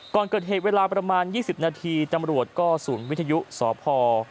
ก่อนเกิดเหตุเวลาประมาณ๒๐นาทีตำรวจก็ศูนย์วิทยุสพ